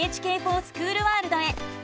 「ＮＨＫｆｏｒＳｃｈｏｏｌワールド」へ。